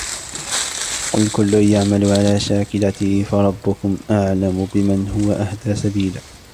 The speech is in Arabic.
قل كل يعمل على شاكلته فربكم أعلم بمن هو أهدى سبيلا